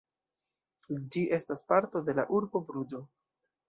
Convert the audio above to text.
Ĝi estas parto de la urbo Bruĝo.